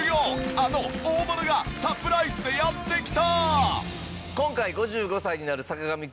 あの大物がサプライズでやって来た！